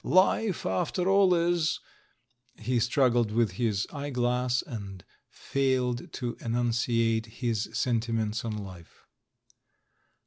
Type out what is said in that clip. Life, after all, is " He struggled with his ej^eglass and failed to enunciate his sentiments on life.